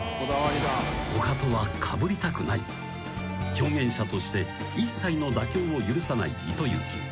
［表現者として一切の妥協を許さない糸之］